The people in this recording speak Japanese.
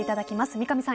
三上さん